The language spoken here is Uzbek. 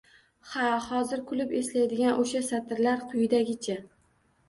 Ha, hozir kulib eslaydigan o`sha satrlar quyidagicha